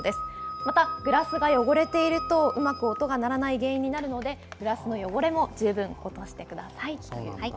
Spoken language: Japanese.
また、グラスが汚れているとうまく音が鳴らない原因になるのでグラスの汚れも十分に落としてください。